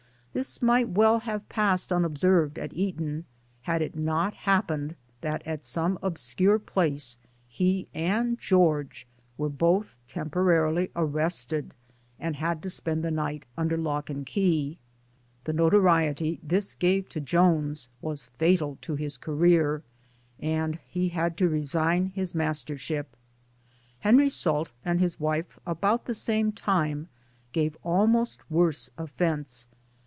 This might well have passed unobserved at Eton, had it not happened that at some obscure place he and George were both temporarily arrested and had to spend the night under lock and key. The noto riety this gave to Joynes was fatal to his career, and he had to resign his mastership. Henry Salt and his wife about the same time gave almost worse offence.